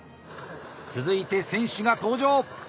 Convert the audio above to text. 続いて選手が登場！